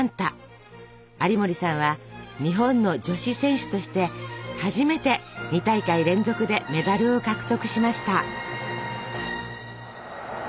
有森さんは日本の女子選手として初めて２大会連続でメダルを獲得しました。